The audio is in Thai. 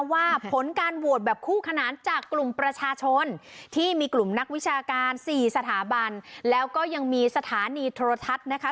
ว่าผลการโหวตแบบคู่ขนานจากกลุ่มประชาชนที่มีกลุ่มนักวิชาการสี่สถาบันแล้วก็ยังมีสถานีโทรทัศน์นะคะ